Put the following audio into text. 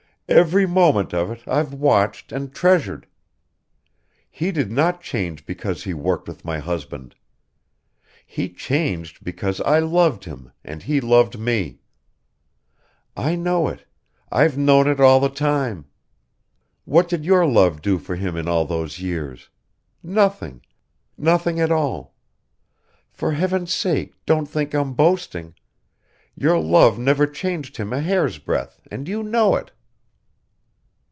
Every moment of it I've watched and treasured. He did not change because he worked with my husband. He changed because I loved him and he loved me. I know it ... I've known it all the time. What did your love do for him in all those years? Nothing ... nothing at all. For heaven's sake don't think I'm boasting! Your love never changed him a hair's breadth, and you know it!"